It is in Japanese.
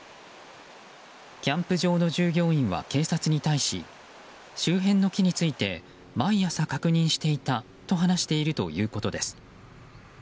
キャンプ場の従業員は警察に対し周辺の木について毎朝確認していたと話しているということです。